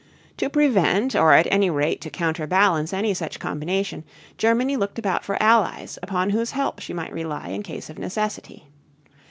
To prevent or at any rate to counterbalance any such combination, Germany looked about for allies upon whose help she might rely in case of necessity.